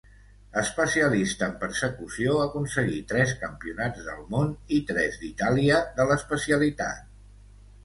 Especialista en persecució, aconseguí tres campionats del món i tres d'Itàlia de l'especialitat.